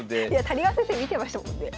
谷川先生見てましたもんね。